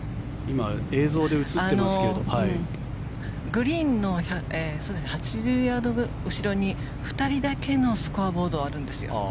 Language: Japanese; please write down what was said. グリーンの８０ヤード後ろに２人だけのスコアボードはあるんですよ。